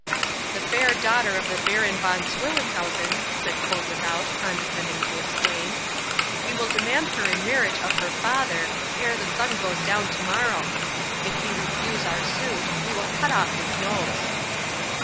'"The fair daughter of the Baron Von Swillenhausen," said Koeldwethout, condescending to explain. "We will demand her in marriage of her father, ere the sun goes down tomorrow. If he refuse our suit, we will cut off his nose."